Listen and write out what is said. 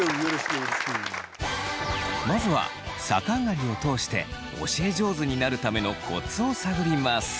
まずは逆上がりを通して教え上手になるためのコツを探ります。